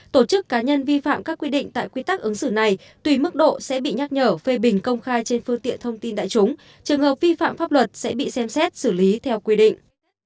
tổ chức cá nhân vi phạm các quy định tại quy tắc ứng xử này tùy mức độ sẽ bị nhắc nhở phê bình công khai trên phương tiện thông tin đại chúng trường hợp vi phạm pháp luật sẽ bị xem xét xử lý theo quy định